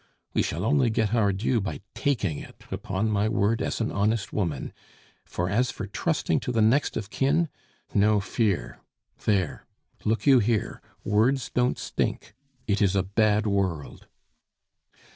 We shall only get our due by taking it, upon my word, as an honest woman, for as for trusting to the next of kin! No fear! There! look you here, words don't stink; it is a bad world!"